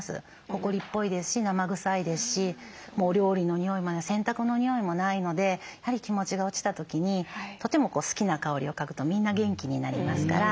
ほこりっぽいですし生臭いですしお料理の匂いもない洗濯の匂いもないのでやはり気持ちが落ちた時にとても好きな香りを嗅ぐとみんな元気になりますから。